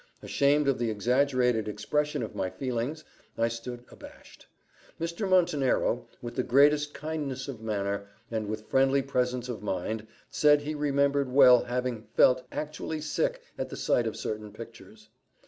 Ashamed of the exaggerated expression of my feelings, I stood abashed. Mr. Montenero, with the greatest kindness of manner, and with friendly presence of mind, said he remembered well having felt actually sick at the sight of certain pictures.